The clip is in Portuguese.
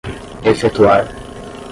efetuar